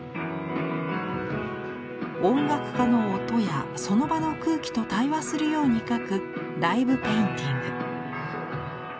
音楽家の音やその場の空気と対話するように描くライブペインティング。